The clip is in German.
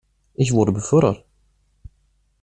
Ich wurde befördert.